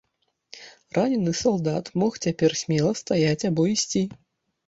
Ранены салдат мог цяпер смела стаяць або ісці.